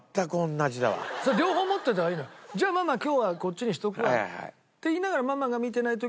「じゃあママ今日はこっちにしておくわ」って言いながらママが見てない時に。